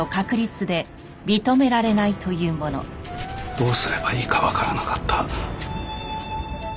どうすればいいかわからなかった。